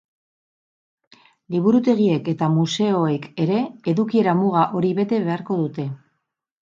Liburutegiek eta museoek ere edukiera muga hori bete beharko dute.